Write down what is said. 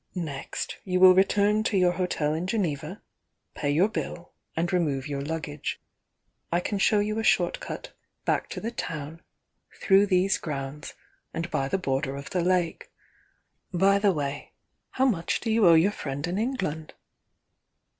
Next, you will return to your hotel in Geneva, pay your bill, and remove your luggage. I can show you a short cut back to 112 THE YOUXG DIxVXA w\ the town, through these grounds and by the bor der of the lake. By the way, how much do you owe your friend in England?"